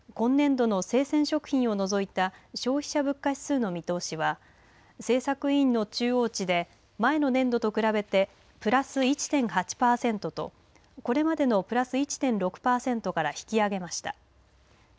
今年度の生鮮食品を除いた消費者物価指数の見通しは政策委員の中央値で前の年度と比べてプラス１．８パーセントとこれまでのプラス１．６パーセントから引き上げました。